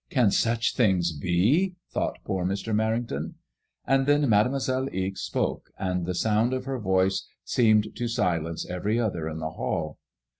'' Can such things be?" thought poor Mr. Merrington. And then Mademoiselle Ixe spoke, and the sound of her voice seemed to silence every other in the hall.